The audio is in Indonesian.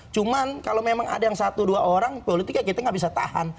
cuman kalau memang ada yang satu dua orang politiknya kita gak bisa tahan